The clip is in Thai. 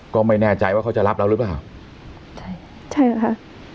ก็ไม่แน่ใจว่าเขาจะรับเราหรือเปล่าใช่ใช่ค่ะ